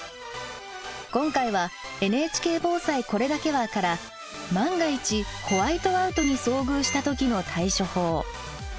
今回は「＃ＮＨＫ防災これだけは」から万が一ホワイトアウトに遭遇した時の対処法。